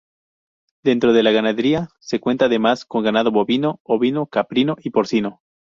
Dentro de la ganadería se cuenta además, con ganado bovino, ovino, caprino y porcino.